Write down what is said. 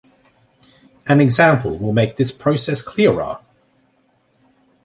An example will make this process clearer.